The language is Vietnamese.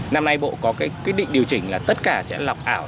năm nay bộ có cái quyết định điều chỉnh là tất cả sẽ lọc ảo